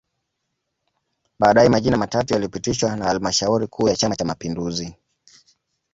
Baadae majina matatu yalipitishwa na halmashauri kuu ya Chama Cha Mapinduzi